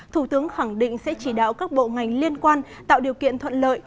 thủ tướng khẳng định sẽ chỉ đạo các bộ ngành liên quan tạo điều kiện thuận lợi